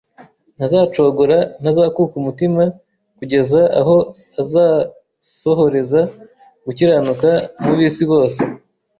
Ntazacogora, ntazakuka umutima kugeza aho azasohoreza gukiranuka mu isi bose